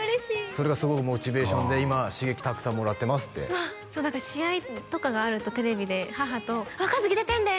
「それがすごくモチベーションで今刺激たくさんもらってます」ってうわっそうだから試合とかがあるとテレビで母と「一希出てんで！」